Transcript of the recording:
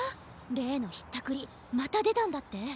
れいのひったくりまたでたんだって？